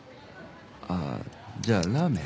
あぁじゃあラーメン。